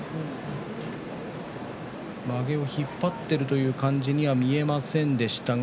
まげを引っ張っているという感じには見えませんでしたが。